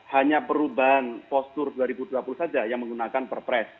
hanya perubahan postur dua ribu dua puluh saja yang menggunakan perpres